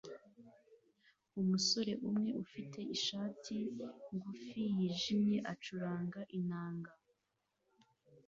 Umusore umwe ufite ishati ngufi yijimye acuranga inanga